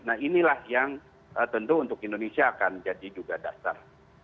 nah inilah yang tentu untuk indonesia akan jadi juga dasar